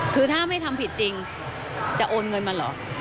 คือถ้าไม่ทำผิดจริงจะโอนเงินมาเหรอ